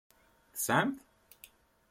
Tesɛam-t.